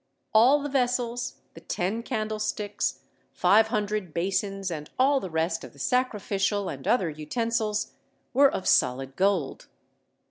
All the vessels, the ten candlesticks, five hundred basins, and all the rest of the sacrificial and other utensils, were of solid gold.